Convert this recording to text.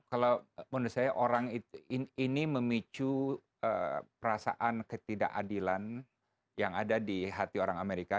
kalau menurut saya orang ini memicu perasaan ketidakadilan yang ada di hati orang amerika